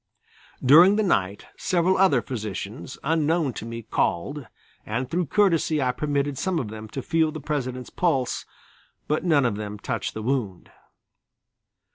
During the night several other physicians unknown to me called, and through courtesy I permitted some of them to feel the President's pulse, but none of them touched the wound.